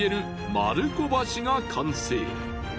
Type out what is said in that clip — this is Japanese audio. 丸子橋が完成。